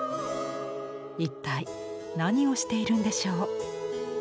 一体何をしているんでしょう？